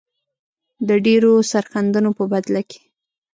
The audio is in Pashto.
د ډیرو سرښندنو په بدله کې.